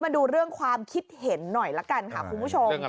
มาดูเรื่องความคิดเห็นหน่อยละกันค่ะคุณผู้ชม